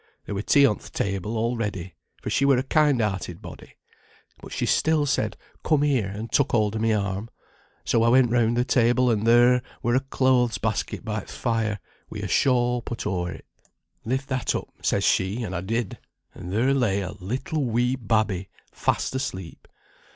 There were tea on th' table all ready; for she were a kind hearted body. But she still said, 'Come here,' and took hold o' my arm. So I went round the table, and there were a clothes basket by th' fire, wi' a shawl put o'er it. 'Lift that up,' says she, and I did; and there lay a little wee babby fast asleep.